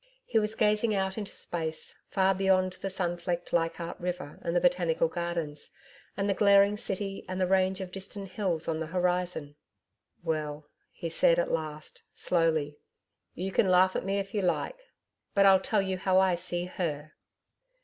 He was gazing out into space, far beyond the sun flecked Leichardt River and the Botanical Gardens, and the glaring city and the range of distant hills on the horizon. 'Well,' he said at last, slowly, 'you can laugh at me if you like, but I'll tell you how I see HER.